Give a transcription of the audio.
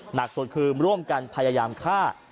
หนักสุดคือร่วมกันพยายามฆ่า